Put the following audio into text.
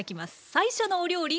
最初のお料理